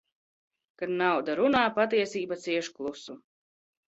Kad nauda runā, patiesība cieš klusu.